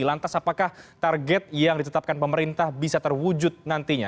lantas apakah target yang ditetapkan pemerintah bisa terwujud nantinya